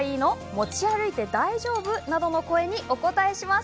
持ち歩いて大丈夫？などの声にお答えします。